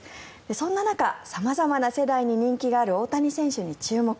そんな中、様々な世代に人気がある大谷選手に注目。